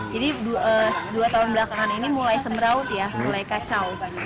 jadi dua tahun belakangan ini mulai semraut ya mulai kacau